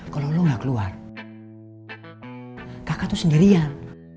kalau lo nggak keluar kakak tuh sendirian